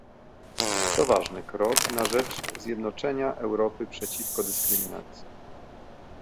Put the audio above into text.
To ważny krok na rzecz zjednoczenia Europy przeciwko dyskryminacji